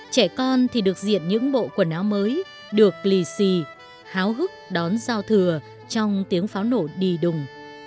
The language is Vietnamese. trẻ con thì được diện những bộ quần áo mới được lì xì háo hức đón giao thừa trong tiếng pháo nổ đi đùng